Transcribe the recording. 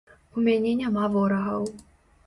У мяне няма ворагаў.